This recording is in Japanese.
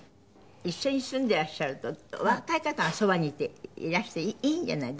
一緒に住んでらっしゃるとお若い方がそばにいらしていいんじゃない？